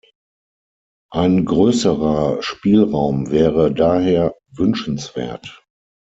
Ein größerer Spielraum wäre daher wünschenswert.